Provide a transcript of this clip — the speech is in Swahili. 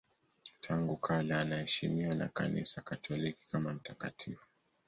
Tangu kale anaheshimiwa na Kanisa Katoliki kama mtakatifu.